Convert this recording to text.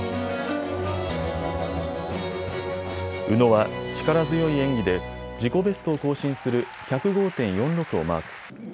宇野は力強い演技で自己ベストを更新する１０５．４６をマーク。